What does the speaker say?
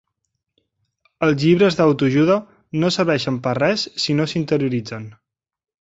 Els llibres d"auto-ajuda no serveixen per res si no s"interioritzen.